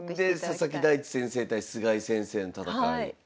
ほんで佐々木大地先生対菅井先生の戦い。